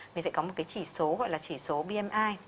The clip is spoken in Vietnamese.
mình sẽ có một cái chỉ số gọi là chỉ số bmi